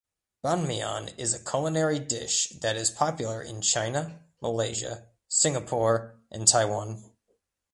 Banmian is a culinary dish that is popular in China, Malaysia, Singapore and Taiwan.